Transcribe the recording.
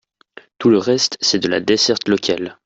Tout le reste, c’est de la desserte locale.